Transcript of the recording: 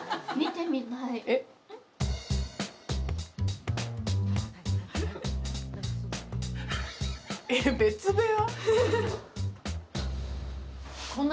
えっ別部屋？